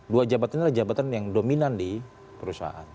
dua jabatan ini adalah jabatan yang dominan di perusahaan